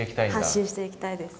発信していきたいです。